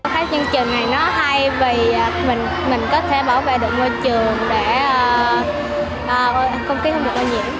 các chương trình này nó hay vì mình có thể bảo vệ được môi trường để công kính không bị bệnh nhiễm